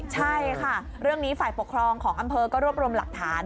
ใช่ค่ะเรื่องนี้ฝ่ายปกครองของอำเภอก็รวบรวมหลักฐาน